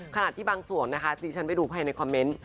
ขณะที่บางส่วนนะคะที่ฉันไปดูภายในคอมเมนต์